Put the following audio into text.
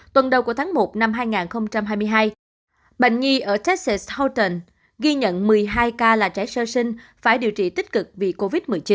tuần đầu của tháng một năm hai nghìn hai mươi hai bệnh nhi ở tech houtan ghi nhận một mươi hai ca là trẻ sơ sinh phải điều trị tích cực vì covid một mươi chín